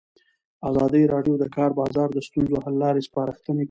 ازادي راډیو د د کار بازار د ستونزو حل لارې سپارښتنې کړي.